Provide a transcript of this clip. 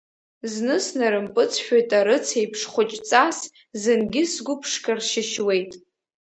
Зны снарымпыҵшәоит арыц еиԥш, хәыҷҵас зынгьы сгәы ԥшқа ршьышьуеит.